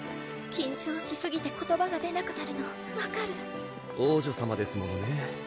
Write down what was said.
緊張しすぎて言葉が出なくなるの分かる王女さまですものね